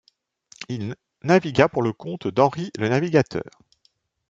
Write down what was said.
Il navigua pour le compte d'Henri le navigateur.